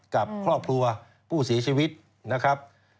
กับครอบครัวผู้เสียชีวิตนะครับ